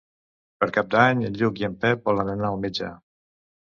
Per Cap d'Any en Lluc i en Pep volen anar al metge.